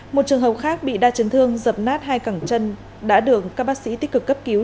một trường hợp khác bị đa chấn thương dập nát hai cẳng chân đã được các bác sĩ tích cực cấp cứu